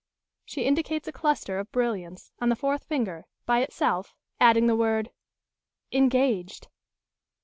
She indicates a cluster of brilliants, on the fourth finger, by itself, adding the word "Engaged."